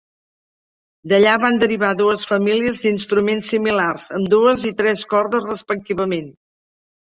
D'allà van derivar dues famílies d'instruments similars, amb dues i tres cordes respectivament.